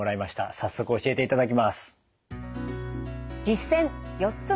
早速教えていただきます。